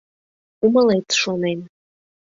Умылет, шонем.